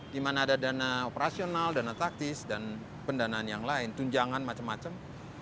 di mana ada dana operasional dana taktis dan pendanaan yang lain tunjangan macam macam